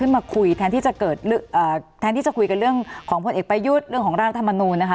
มาคุยแทนที่จะคุยกับเรื่องของพลเอกประยุทธ์เรื่องของราชดธรรมนูญรับทรัพย์